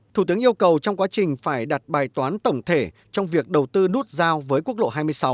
thủ tướng yêu cầu trong quá trình phải đặt bài toán tổng thể trong việc đầu tư nút giao với quốc lộ hai mươi sáu